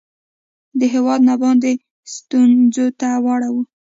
د هیواد نه باندې ستونځو ته واړوي